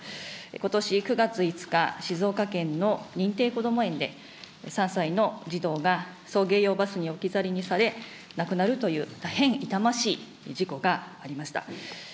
ことし９月５日、静岡県の認定こども園で、３歳の児童が送迎用バスに置き去りにされ、亡くなるという大変痛ましい事故がありました。